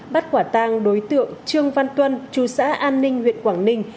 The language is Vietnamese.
bắt quả tang đối tượng trương văn tuân chú xã an ninh huyện quảng ninh